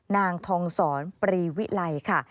๙นางทองสอนปรีวิไล